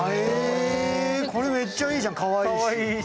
これ、めっちゃいいじゃん、かわいいし。